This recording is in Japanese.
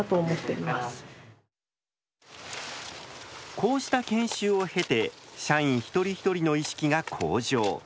こうした研修を経て社員一人一人の意識が向上。